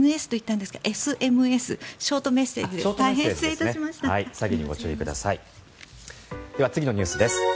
では、次のニュースです。